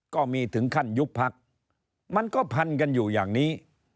ก็มีถึงขั้นยุบพักมันก็พันกันอยู่อย่างนี้